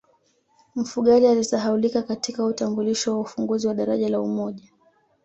mfugale alisahaulika katika utambulisho wa ufunguzi wa daraja la umoja